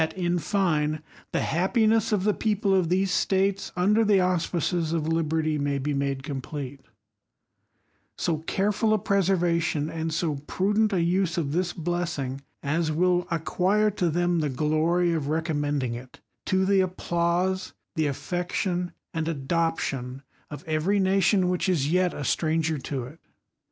in fine, the happiness of the people of these States, :erthe auspices of liberty, may be made complete, so careful a preservation and so prudent a use of this ,unjssing, as will acquire to them the glory of recom imendrngit to the applause, the affection, and adoption ^very nation which is yet a stranger to it.